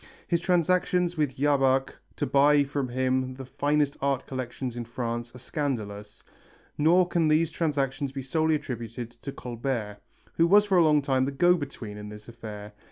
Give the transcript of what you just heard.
His transactions with Jabach to buy from him the finest art collection in France are scandalous, nor can these transactions be solely attributed to Colbert, who was for a long time the go between in this affair.